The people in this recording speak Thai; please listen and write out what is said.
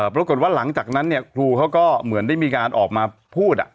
ปรากฏว่าหลังจากนั้นเนี่ยครูเขาก็เหมือนได้มีการออกมาพูด